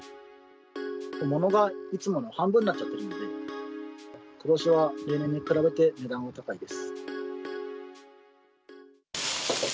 ものがいつもの半分になっちゃってるんで、ことしは例年に比べて値段が高いです。